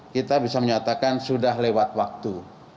kita bisa menyatakan sudah lewat waktu